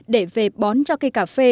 để về bón cho cây cà phê